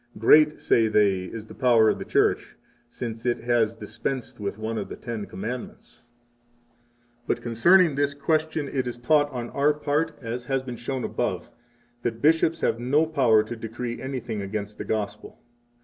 Great, say they, is the power of the Church, since it has dispensed with one of the Ten Commandments! 34 But concerning this question it is taught on our part (as has been shown above) that bishops have no power to decree anything against the Gospel.